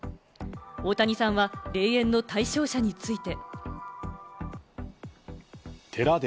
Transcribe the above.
大谷さんは霊園の対象者について。